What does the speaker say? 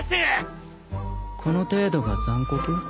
この程度が残酷？